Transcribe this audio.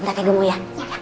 ntar kegemu ya